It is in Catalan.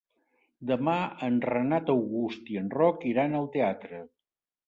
Demà en Renat August i en Roc iran al teatre.